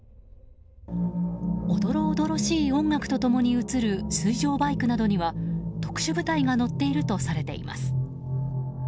おどろおどろしい音楽と共に映る水上バイクなどには特殊部隊が乗っているとされています。